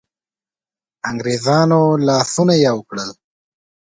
انګرېزانو لاسونه یو کړل.